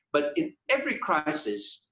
tetapi dalam setiap krisis